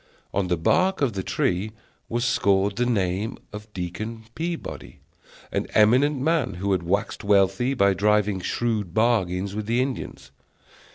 On the bark of the tree was scored the name of Deacon Peabody, an eminent man who had waxed wealthy by driving shrewd bargains with the Indians.